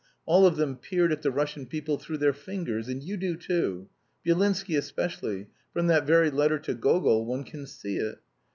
All of them peered at the Russian people through their fingers, and you do too; Byelinsky especially: from that very letter to Gogol one can see it.